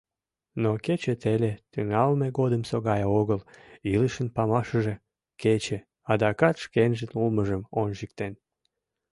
Но кече теле тӱҥалме годымсо гай огыл, илышын памашыже — кече — адакат шкенжын улмыжым ончыктен.